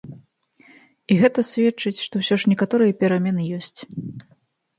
І гэта сведчыць, што ўсё ж некаторыя перамены ёсць.